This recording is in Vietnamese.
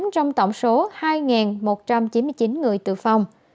một mươi tám trong tổng số hai một trăm chín mươi chín người tử phòng